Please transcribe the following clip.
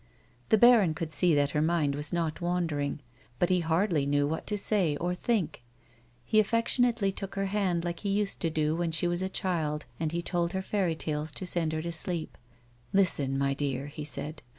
The baron could see that her mind was not wandering, but he hardly knew what to say or think. He affectionately took her hand, like he used to do when she was a child and he told her fairy tales to send her to sleep. " Listen, my dear," he said.